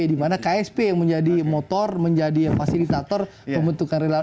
dimana ksp yang menjadi motor menjadi fasilitator pembentukan relawan